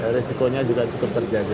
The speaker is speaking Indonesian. resikonya juga cukup terjaga